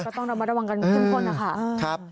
ก็ต้องระวังกันทุกคนนะครับ